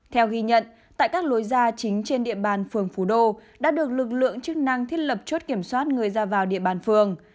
theo ghi nhận tại các lối ra chính trên địa bàn phường phú đô đã được lực lượng chức năng thiết lập chốt kiểm soát người ra vào địa bàn phường